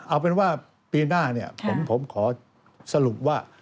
เอาเป็นว่าปีหน้าเนี่ยผมขอสรุปว่า